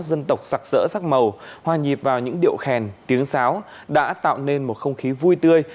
dân tộc sặc sỡ sắc màu hòa nhịp vào những điệu khen tiếng sáo đã tạo nên một không khí vui tươi